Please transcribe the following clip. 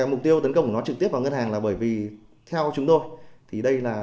mục tiêu tấn công của nó trực tiếp vào ngân hàng là bởi vì theo chúng tôi